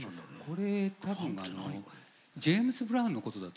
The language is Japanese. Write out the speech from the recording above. これ多分ジェームス・ブラウンのことだと思うんですよね。